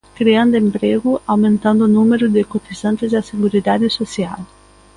Creando emprego, aumentando o número de cotizantes á Seguridade Social.